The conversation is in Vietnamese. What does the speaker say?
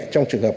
trong trường hợp